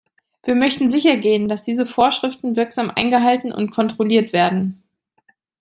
Wir möchten sichergehen, dass diese Vorschriften wirksam eingehalten und kontrolliert werden.